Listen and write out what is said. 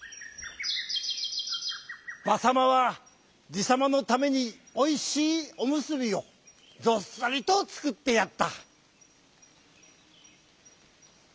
ばさまはじさまのためにおいしいおむすびをどっさりとつくってやった。